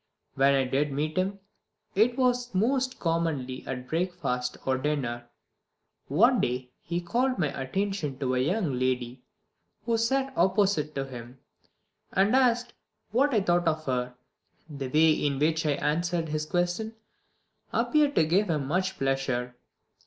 When I did meet him it was most commonly at breakfast or dinner. One day he called my attention to a young lady who sat opposite to him, and asked what I thought of her. The way in which I answered his question appeared to give him much pleasure.